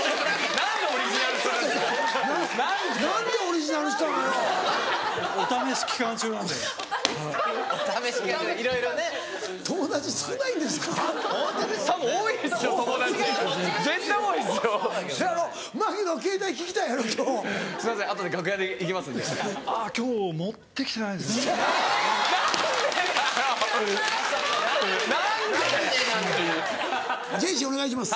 何で⁉ジェーシーお願いします。